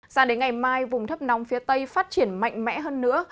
sao đến ngày mai vùng thấp nóng phía tây phát triển mạnh mẽ hơn nữa